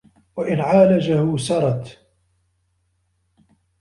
وَإِنْ عَالَجَهُ سَرَتْ